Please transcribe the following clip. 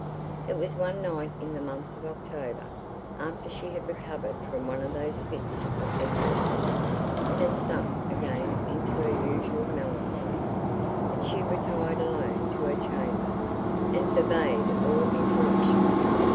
It was one night in the month of October, after she had recovered from one of those fits of excess, and had sunk again into her usual melancholy, that she retired alone to her chamber, and forbade all interruption.